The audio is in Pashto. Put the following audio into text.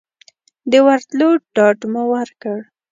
د ورتلو ډاډ مو ورکړ.